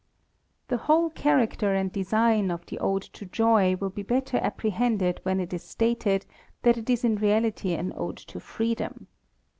The whole character and design of the Ode to Joy will be better apprehended when it is stated that it is in reality an Ode to Freedom.